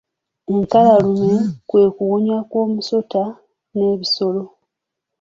Ekkalalume kwe kuwunya kw'omusota n'ebisolo.